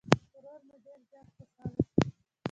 ورور مې ډير زيات خوشحاله شو